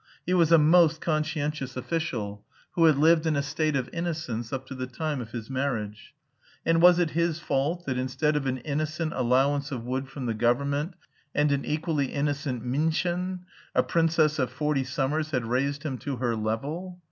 He was a most conscientious official, who had lived in a state of innocence up to the time of his marriage. And was it his fault that, instead of an innocent allowance of wood from the government and an equally innocent Minnchen, a princess of forty summers had raised him to her level?